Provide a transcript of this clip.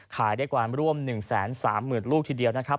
ขายได้กว่าร่วม๑๓๐๐๐ลูกทีเดียวนะครับ